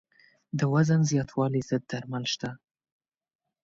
د وزن زیاتوالي ضد درمل شته.